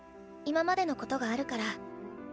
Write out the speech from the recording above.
今までのことがあるから。